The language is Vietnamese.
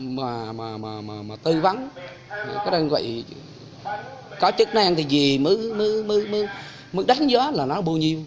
mà tư vấn cái đơn vị có chức năng thì gì mới đánh giá là nó bao nhiêu